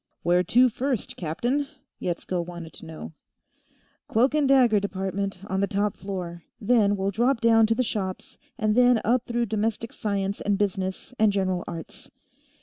"Where to, first, captain?" Yetsko wanted to know. "Cloak and Dagger Department, on the top floor. Then we'll drop down to the shops, and then up through Domestic Science and Business and General Arts."